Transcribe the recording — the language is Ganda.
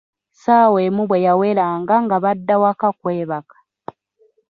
Ssaawa emu bwe yaweranga nga badda waka kwebaka.